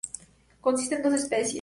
Consiste en dos especies.